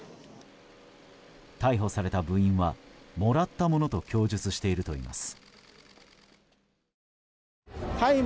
逮捕された部員はもらったものと供述しているといいます。